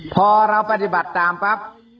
พอเราปฏิบัติตามปั๊บ